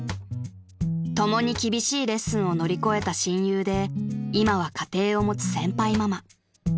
［共に厳しいレッスンを乗り越えた親友で今は家庭を持つ先輩ママ］